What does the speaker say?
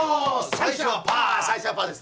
最初はパーです。